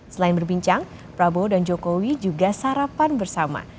selain berbincang prabowo dan jokowi juga sarapan bersama